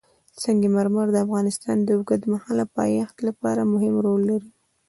سنگ مرمر د افغانستان د اوږدمهاله پایښت لپاره مهم رول لري.